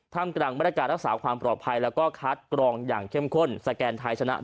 ท่ำกรั่งบรรยากาศรักษาความปลอดภัยและคัดกรองอย่างเข้มข้นสแกนท้ายชนะด้วย